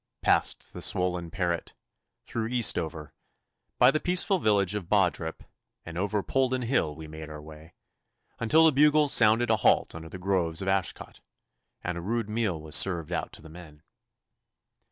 Past the swollen Parret, through Eastover, by the peaceful village of Bawdrip, and over Polden Hill we made our way, until the bugles sounded a halt under the groves of Ashcot, and a rude meal was served out to the men.